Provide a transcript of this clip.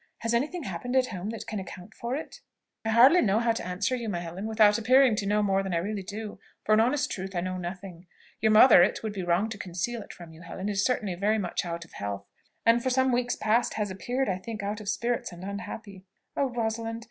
"Has any thing happened at home that can account for it?" "I hardly know how to answer you, my Helen, without appearing to know more than I really do for in honest truth I know nothing. Your mother, it would be wrong to conceal it from you, Helen, is certainly very much out of health, and for some weeks past has appeared, I think, out of spirits and unhappy." "Oh, Rosalind!